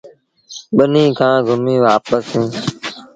ٻنيٚ کآݩ گھمي وآپس سيٚݩ۔